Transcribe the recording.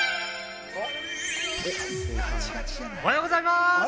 おはようございます。